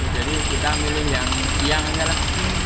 jadi kita milih yang siang aja lah